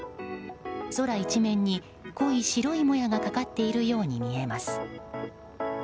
空一面に、濃い白いもやがかかっているように見えます。